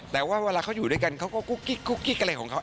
แต่ว่าเวลาเขาอยู่ด้วยกันเขาก็กุ๊กกิ๊กอะไรของเขา